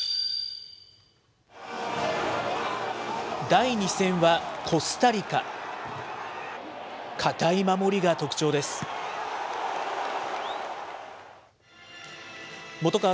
第２戦はコスタリカ。